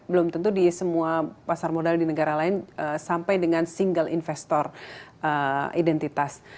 belum tentu di semua pasar modal di negara lain sampai dengan single investor identitas